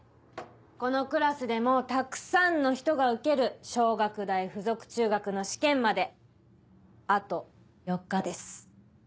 このクラスでもたくさんの人が受ける小学大附属中学の試験まであと４日です。